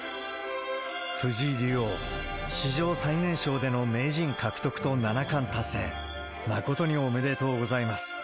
藤井竜王、史上最年少での名人獲得と七冠達成、誠におめでとうございます。